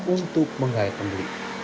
untuk menggayat pembeli